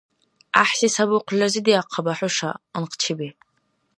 ГӀяхӀси сабухъли разидиахъабая, хӀуша, анхъчиби!